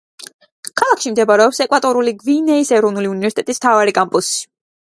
ქალაქში მდებარეობს ეკვატორული გვინეის ეროვნული უნივერსიტეტის მთავარი კამპუსი.